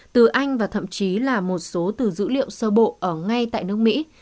từ anh và thậm chí là một số từ dữ liệu sơ bộ ở ngay tại nước mỹ